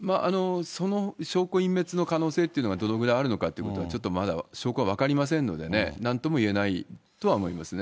その証拠隠滅の可能性っていうのが、どのくらいあるのかっていうことがまだちょっと証拠は分かりませんのでね、なんともいえないとは思いますね。